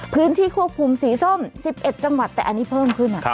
พื้นที่ควบคุมสีส้ม๑๑จังหวัดแต่อันนี้เพิ่มขึ้น